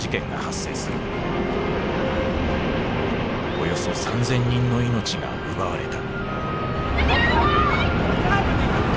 およそ３，０００人の命が奪われた。